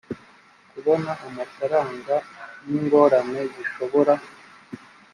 kubona amafaranga n ingorane zishobora